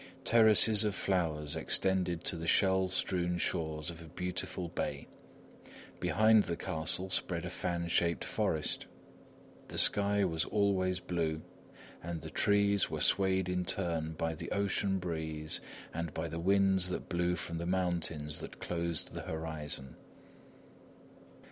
Terraces of flowers extended to the shell strewn shores of a beautiful bay. Behind the castle spread a fan shaped forest. The sky was always blue, and the trees were swayed in turn by the ocean breeze and by the winds that blew from the mountains that closed the horizon.